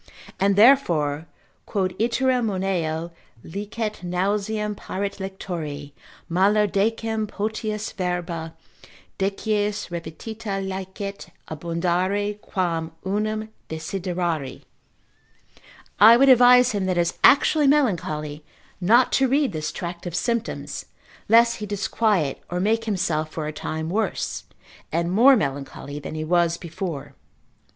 And therefore (quod iterum moneo, licet nauseam paret lectori, malo decem potius verba, decies repetita licet abundare, quam unum desiderari) I would advise him that is actually melancholy not to read this tract of Symptoms, lest he disquiet or make himself for a time worse, and more melancholy than he was before.